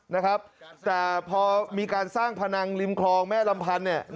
นะครับแต่พอมีการสร้างพนังริมคลองแม่ลำพันธ์เนี่ย